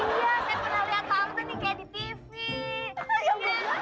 iya saya pernah lihat kamu nih kayak di tv